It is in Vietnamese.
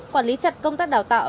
quản lý chặt công tác đào tạo